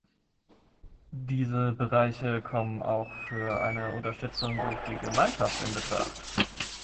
Diese Bereiche kommen auch für eine Unterstützung durch die Gemeinschaft in Betracht.